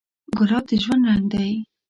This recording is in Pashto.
ګلاب د ژوند رنګ دی.